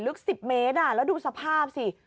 ลึก๑๐เมตรแล้วดูสภาพสิ